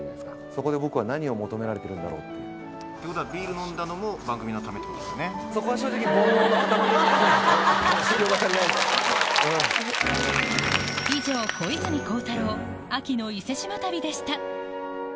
そこで僕は何を求められてるんだろうって。ってことは、ビール飲んだのそこは正直、以上、小泉孝太郎、秋の伊勢志摩旅でした。